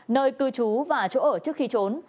nơi cư trú và chỗ ở trước khi trốn